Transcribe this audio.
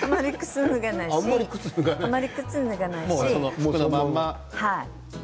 あまり靴をぬがないし。